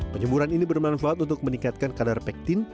penyemburan ini bermanfaat untuk meningkatkan kadar pektin